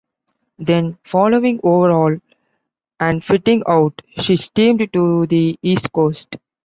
Then, following overhaul and fitting out, she steamed to the east coast.